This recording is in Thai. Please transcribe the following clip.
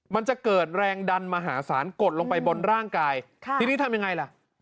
มันจะเกิดแรงดันมหาศาลกดลงไปบนร่างกายทีนี้ทำยังไงล่ะ